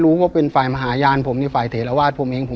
รู้ว่าเป็นฝ่ายมหายานผมนี่ฝ่ายเถรวาทผมเองผม